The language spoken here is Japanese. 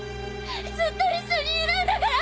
ずっと一緒にいるんだから！